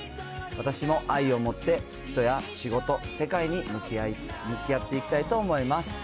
私も愛を持って、人や仕事、世界に向き合っていきたいと思います。